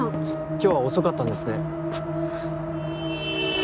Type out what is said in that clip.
今日は遅かったんですね。